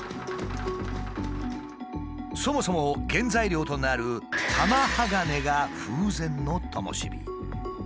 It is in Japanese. そもそも原材料となる玉鋼が風前のともし火。